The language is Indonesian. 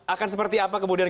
akan seperti apa kemudian